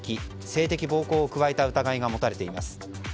性的暴行を加えた疑いが持たれています。